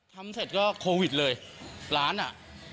ทำเสร็จก็โควิดเลยล้านอ่ะ